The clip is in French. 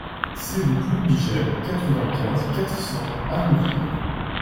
six rue Claude Bigel, quatre-vingt-quinze, quatre cents, Arnouville